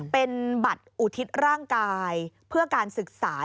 เป็นบัตรอุทิศร่างกายเพื่อการศึกษา